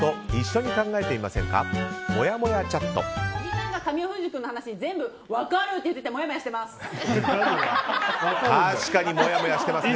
小木さんが神尾楓珠君の話全部、分かるって言っててもやもやしてます。